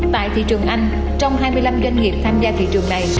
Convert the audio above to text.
tại thị trường anh trong hai mươi năm doanh nghiệp tham gia thị trường này